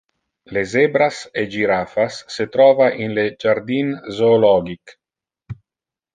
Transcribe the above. Le zebras e girafas se trova in le jardin zoologic.